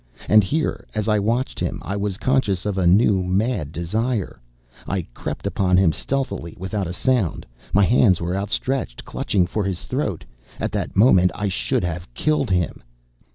And here, as I watched him, I was conscious of a new, mad desire. I crept upon him stealthily, without a sound. My hands were outstretched, clutching, for his throat. At that moment I should have killed him!